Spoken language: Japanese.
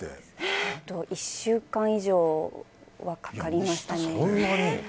１週間以上はかかりましたね。